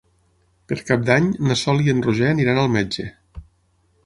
Per Cap d'Any na Sol i en Roger aniran al metge.